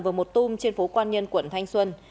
và một tùm trên phố quan nhân quận thanh xuân